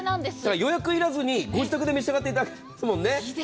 予約要らずでご自宅で召し上がっていただけるもんね。